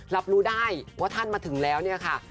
รับรู้ได้ว่าท่านมาถึงแล้วเนี่ยค่ะ